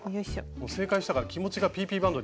正解したから気持ちがＰＰバンドに。